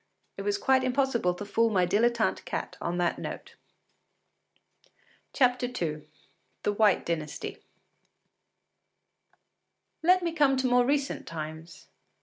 It was quite impossible to fool my dilettante cat on that note. II THE WHITE DYNASTY Let me come to more recent times.